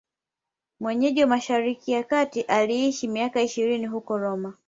Mwenyeji wa Mashariki ya Kati, aliishi miaka ishirini huko Roma.